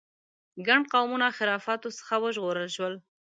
ګڼ قومونه خرافاتو څخه وژغورل شول.